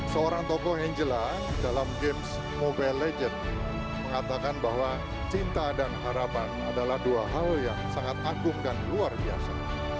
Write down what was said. seorang tokoh yang jelas dalam games mobile legends mengatakan bahwa cinta dan harapan adalah dua hal yang sangat agung dan luar biasa